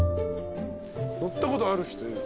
乗ったことある人いる？